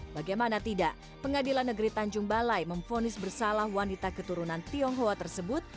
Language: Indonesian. bagaimana tidak pengadilan negeri tanjung balai memfonis bersalah wanita keturunan tionghoa tersebut